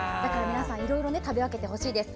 皆さんいろいろ食べ分けてほしいです。